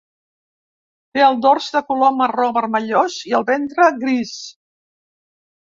Té el dors de color marró vermellós i el ventre gris.